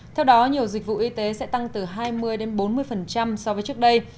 theo đó nhiều dịch vụ y tế sẽ tăng từ hai mươi bốn mươi so với trước đây